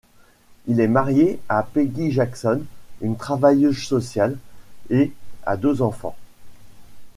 Il est marié à Peggy Jackson, une travailleuse sociale, et a deux enfants.